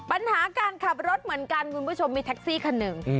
ปัญหาการขับรถเหมือนกันคุณผู้ชมมีแท็กซี่คันหนึ่ง